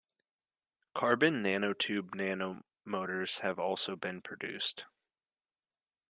Carbon nanotube nanomotors have also been produced.